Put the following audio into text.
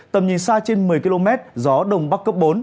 tầm nhìn xa trên một mươi km gió đông bắc cấp bốn